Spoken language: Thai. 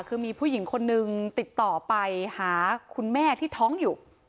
คือมีผู้หญิงคนนึงติดต่อไปหาคุณแม่ที่ท้องอยู่